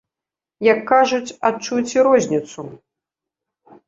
Як кажуць, адчуйце розніцу!